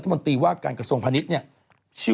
จากธนาคารกรุงเทพฯ